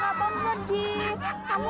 kamu pulang ya rudy ya sayang ya